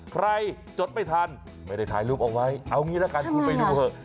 จดไม่ทันไม่ได้ถ่ายรูปเอาไว้เอางี้ละกันคุณไปดูเถอะ